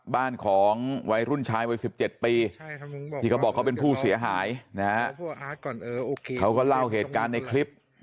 บ้านของวัยรุ่นชายวัย๑๗ปีที่เขาบอกเขาเป็นผู้เสียหายนะฮะเขาก็เล่าเหตุการณ์ในคลิป